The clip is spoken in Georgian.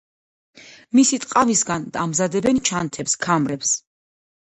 მისი ტყავისგან ამზადებენ ჩანთებს, ქამრებს.